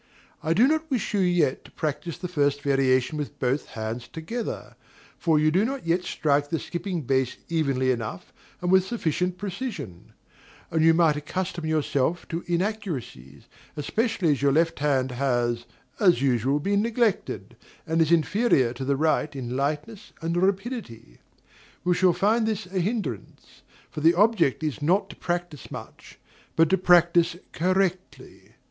I do not wish you yet to practise the first variation with both hands together, for you do not yet strike the skipping bass evenly enough and with sufficient precision; and you might accustom yourself to inaccuracies, especially as your left hand has, as usual, been neglected, and is inferior to the right in lightness and rapidity. We shall find this a hindrance; for the object is not to practise much, but to practise correctly.